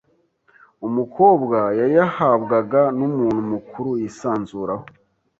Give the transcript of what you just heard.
Umukobwa yayahabwaga n’umuntu mukuru yisanzuraho